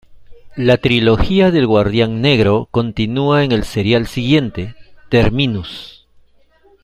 La trilogía del Guardián Negro continua en el serial siguiente, "Terminus".